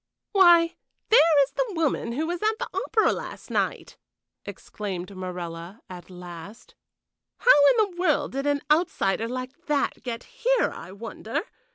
"Why, there is the woman who was at the opera last night," exclaimed Morella, at last. "How in the world did an outsider like that get here, I wonder?